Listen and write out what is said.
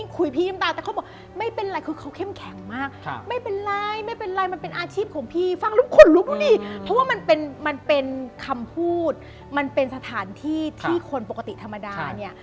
คือมาเป็นไปเองนึกออกปะ